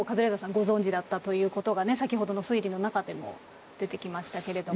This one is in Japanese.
ご存じだったということがね先ほどの推理の中でも出てきましたけれども。